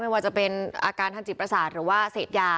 ไม่ว่าจะเป็นอาการทางจิตประสาทหรือว่าเสพยา